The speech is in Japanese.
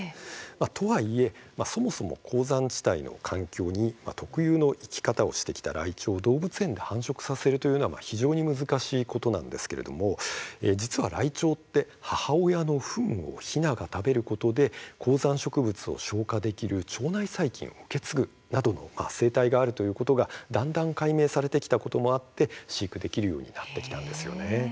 とはいえ、そもそも高山地帯の環境で特有の生き方をしてきたライチョウを動物園で繁殖させるというのは非常に難しいことなんですが実はライチョウは母親のふんをひなが食べることで高山植物を消化できる腸内細菌を受け継ぐなどの生態があるということがだんだんと解明されてきたこともあって飼育できるようになってきたんです。